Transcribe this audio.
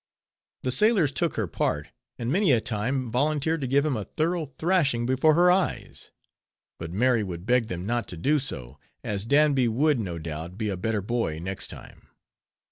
The sailors took her part, and many a time volunteered to give him a thorough thrashing before her eyes; but Mary would beg them not to do so, as Danby would, no doubt, be a better boy next time.